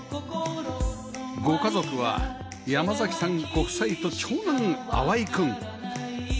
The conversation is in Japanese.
ご家族は山さんご夫妻と長男淡くん